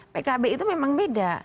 pkb itu memang beda